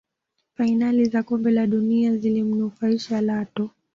fainali za kombe la dunia zilimunufaisha Lato